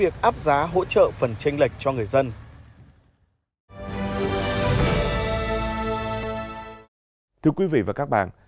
thưa quý vị và các bạn